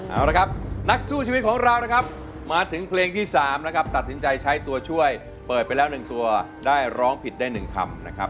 เอาละครับนักสู้ชีวิตของเรานะครับมาถึงเพลงที่๓นะครับตัดสินใจใช้ตัวช่วยเปิดไปแล้ว๑ตัวได้ร้องผิดได้๑คำนะครับ